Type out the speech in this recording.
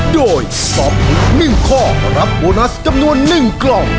โดยตอบถูก๑ข้อรับโบนัสจำนวน๑กล่อง